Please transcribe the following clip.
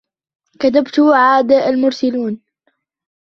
كذبت عاد المرسلين